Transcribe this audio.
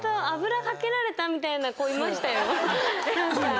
油かけられたみたいな子いましたよ。